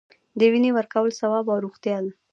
د وینې ورکول ثواب او روغتیا ده